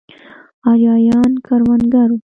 ارایایان کروندګر وو.